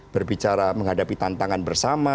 berbicara menghadapi tantangan bersama